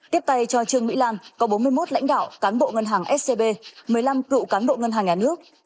tiếp tay cho trương mỹ lan có bốn mươi một lãnh đạo cán bộ ngân hàng scb một mươi năm cựu cán bộ ngân hàng nhà nước